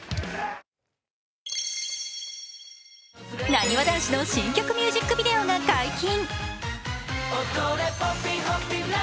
なにわ男子の新曲ミュージックビデオが解禁。